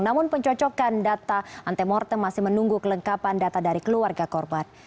namun pencocokan data antemortem masih menunggu kelengkapan data dari keluarga korban